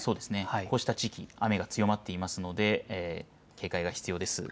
こうした地域、雨が強まっていますので、警戒が必要です。